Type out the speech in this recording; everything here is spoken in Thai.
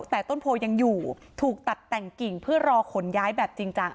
แต่ต้นโพยังอยู่ถูกตัดแต่งกิ่งเพื่อรอขนย้ายแบบจริงจัง